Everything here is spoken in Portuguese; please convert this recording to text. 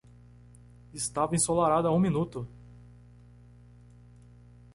Estava ensolarado há um minuto!